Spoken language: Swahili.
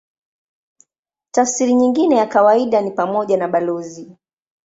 Tafsiri nyingine ya kawaida ni pamoja na balozi.